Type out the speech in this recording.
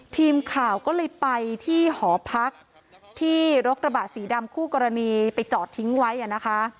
ทีมข่าวก็เลยไปที่หอพักที่รถกระบะสีดำคู่กรณีไปจอดทิ้งไว้อ่ะนะคะ